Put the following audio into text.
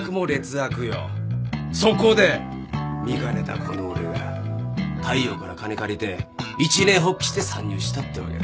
そこで見かねたこの俺が大陽から金借りて一念発起して参入したってわけだ